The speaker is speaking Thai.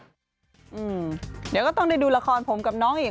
เดี๋ยวก็ต้องได้ดูละครผมกับน้องอีก